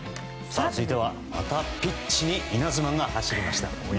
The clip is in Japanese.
続いては、またピッチにイナズマが走りました。